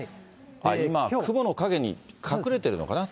今、雲の陰に隠れてるのかな？